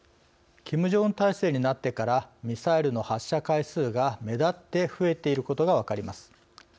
キム・ジョンウン体制になってからミサイルの発射回数が目立って増えていることが分かります。